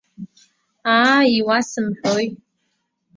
Аа, иуасымҳәои!